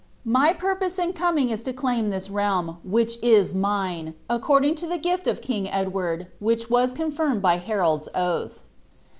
Hy purpose in coming is to claim ihis realm, which is mine, according to ihe gifi of king Edward, which was confirmed by Harold's oath."